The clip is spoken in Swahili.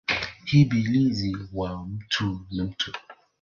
Ibilisi wa mtu ni mtu